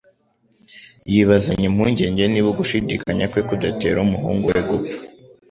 yibazanya impungenge niba ugushidikanya kwe kudatera umuhungu we gupfa.